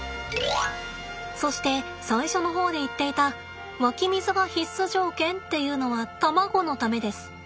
そして最初の方で言っていた湧き水が必須条件っていうのは卵のためです。